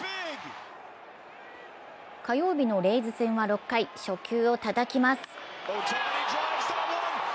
火曜日のレイズ戦は６回、初球をたたきます。